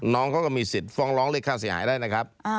น้องเขาก็มีสิทธิ์ฟ้องร้องเรียกค่าเสียหายได้นะครับ